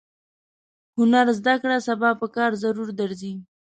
هنر زده کړه سبا پکار ضرور درځي.